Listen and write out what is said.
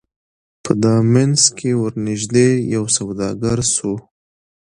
په دامنځ کي ورنیژدې یو سوداګر سو